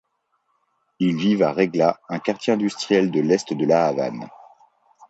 Ils vivent à Regla, un quartier industriel de l’est de La Havane.